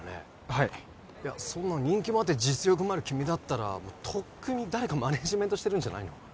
はいそんな人気もあって実力もある君だったらとっくに誰かマネージメントしてるんじゃないの？